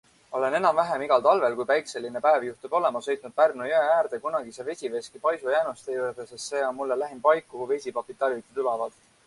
Olen enam-vähem igal talvel, kui päikseline päev juhtub olema, sõitnud Pärnu jõe äärde kunagise vesiveski paisu jäänuste juurde, sest see on mulle lähim paik, kuhu vesipapid talviti tulevad.